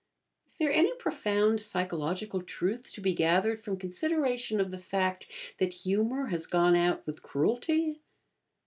Is there any profound psychological truth to be gathered from consideration of the fact that humour has gone out with cruelty?